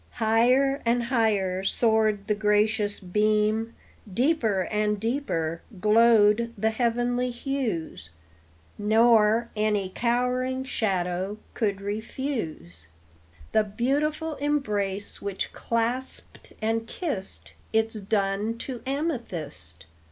Higher and higher soared the gracious beam, Deeper and deeper glowed the heavenly hues, Nor any cowering shadow could refuse The beautiful embrace which clasped and kissed Its dun to amethyst.